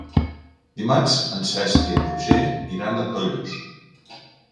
Dimarts en Cesc i en Roger iran a Tollos.